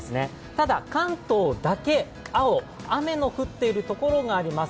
ただ、関東だけ青、雨の降っているところがあります。